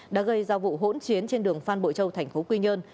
đã gây ra vụ hỗn chiến trên đường phan bội châu thành phố quy nhơn